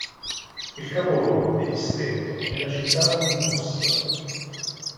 Il capoluogo di distretto è la città di Most.